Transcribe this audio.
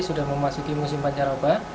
sudah memasuki musim pancar oba